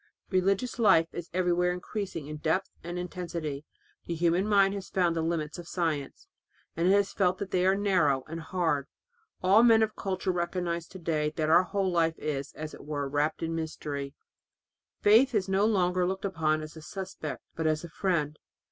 Religious life is everywhere increasing in depth and in intensity .... The human mind has found the limits of science, and has felt that they are narrow and hard; all men of culture recognize to day that our whole life is, as it were, wrapped in mystery. Faith is no longer looked upon as a suspect but as a friend.